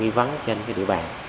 nhi vắng trên cái địa bàn